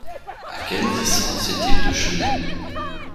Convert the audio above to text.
À quelle distance est-il de Chennai ?